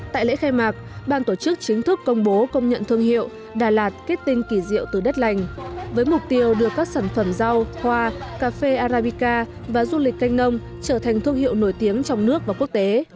tại lễ khai mạc ban tổ chức chính thức công bố công nhận thương hiệu đà lạt kết tinh kỳ diệu từ đất lành với mục tiêu đưa các sản phẩm rau hoa cà phê arabica và du lịch canh nông trở thành thương hiệu nổi tiếng trong nước và quốc tế